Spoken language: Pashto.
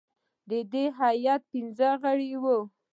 د دې هیات پنځه غړي وه.